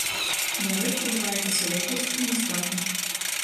Нярэдка бывае касавокасць і ністагм.